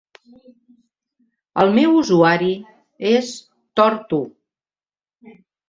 El meu usuari és: tortu.